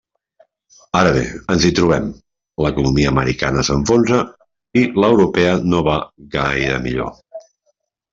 Ara bé, ens hi trobem: l'economia americana s'enfonsa i l'europea no val gaire millor.